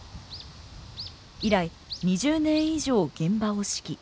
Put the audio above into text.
以来２０年以上現場を指揮。